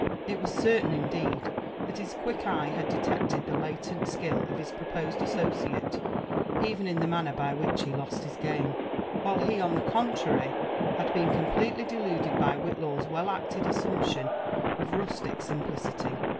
It was certain, indeed, that his quick eye had detected (he latent skill of his proposed associate even in the manner by which he lost his game ; while he, on the contrary, had been completely deluded by Whitlaw's well acted assumption of rustic simplicity.